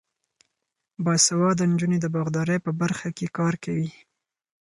باسواده نجونې د باغدارۍ په برخه کې کار کوي.